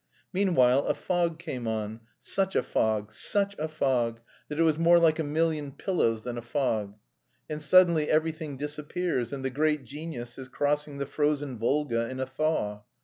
Meanwhile a fog came on, such a fog, such a fog, that it was more like a million pillows than a fog. And suddenly everything disappears and the great genius is crossing the frozen Volga in a thaw.